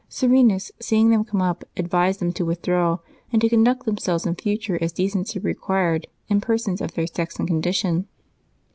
Serenus, seeing them come up, advised them to withdraw, and to conduct themselves in future as decency required in persons of their sex and condition.